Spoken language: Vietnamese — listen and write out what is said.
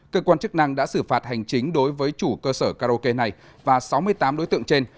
cơ quan chức năng đã xử phạt hành chính đối với chủ cơ sở karaoke này và sáu mươi tám đối tượng trên